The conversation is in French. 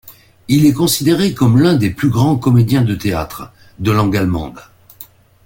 Il est considéré comme l'un des plus grands comédiens de théâtre de langue allemande.